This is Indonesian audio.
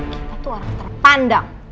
kita tuh orang terpandang